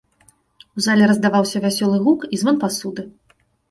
У залі раздаваўся вясёлы гук і звон пасуды.